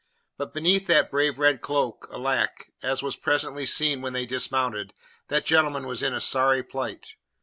But beneath that brave red cloak alack! as was presently seen when they dismounted, that gentleman was in a sorry plight.